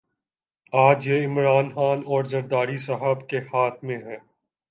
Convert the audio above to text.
آج یہ عمران خان اور زرداری صاحب کے ہاتھ میں ہے۔